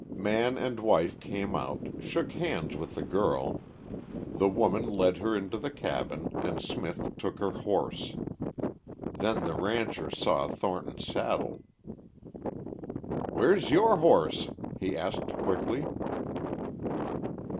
Man and wife came out, shook hands with the girl, the woman led her into the cabin, and Smith took her horse. Then the rancher saw Thornton's saddle. "Where's your horse?" he asked quickly.